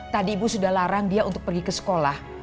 tadi ibu sudah larang dia untuk pergi ke sekolah